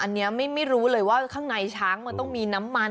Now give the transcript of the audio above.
อันนี้ไม่รู้เลยว่าข้างในช้างมันต้องมีน้ำมัน